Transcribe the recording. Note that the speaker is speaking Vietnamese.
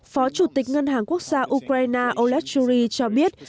phó chủ tịch ngân hàng quốc gia ukraine oleg chury cho biết